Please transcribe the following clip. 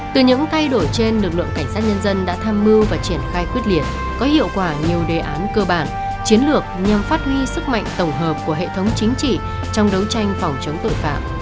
từ những thay đổi trên lực lượng cảnh sát nhân dân đã tham mưu và triển khai quyết liệt có hiệu quả nhiều đề án cơ bản chiến lược nhằm phát huy sức mạnh tổng hợp của hệ thống chính trị trong đấu tranh phòng chống tội phạm